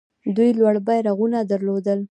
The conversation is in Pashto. دوی لوړ بیرغونه درلودل